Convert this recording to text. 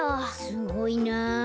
すごいな。